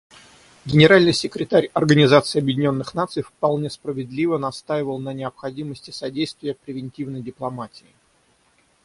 Генеральный секретарь Организации Объединенных Наций вполне справедливо настаивал на необходимости содействия превентивной дипломатии.